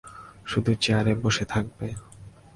শুধু চেয়ারে বসে থাকবে।